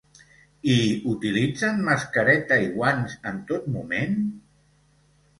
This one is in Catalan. I utilitzen mascareta i guants en tot moment?